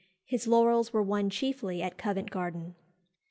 His laurels were won chiefly at Covent Garden.